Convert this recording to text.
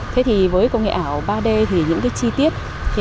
thế thì với công nghệ ảo ba d thì những chi tiết